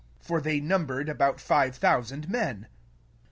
'' 14 For they were about five thousand men.